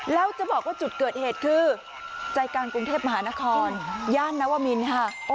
แล้วจะบอกว่าจุดเกิดเหตุคือใจกลางกรุงเทพมหานครย่านนวมินค่ะ